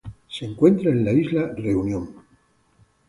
Se encuentra en la isla Reunión.